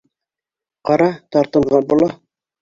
Ҡара, тартынған була.